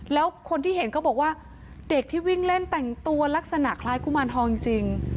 แล้วคนที่เห็นเขาบอกว่าเด็กที่วิ่งเล่นแต่งตัวลักษณะคล้ายกุมารทองจริง